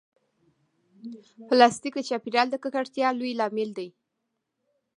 پلاستيک د چاپېریال د ککړتیا لوی لامل دی.